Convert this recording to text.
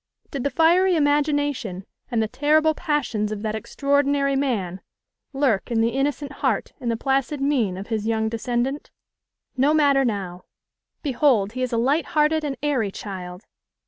Did the fiery imagination and the terrible passions of that extraordinary man lurk in the innocent heart and the placid mien of his young descendant? No matter now! Behold, he is a light hearted and airy child!